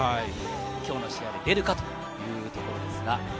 今日の試合で出るかというところです。